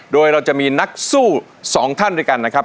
โดยเราจะมีนักสู้สองท่านด้วยกันนะครับ